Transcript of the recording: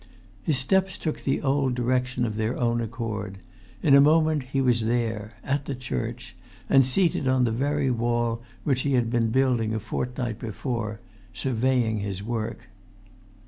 His steps took the old direction of their own accord. In a minute he was there, at the church, and seated on the very wall which he had been building a fortnight before, surveying his work.